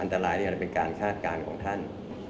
อันตรายนี่อะไรเป็นการคาดการณ์ของท่าน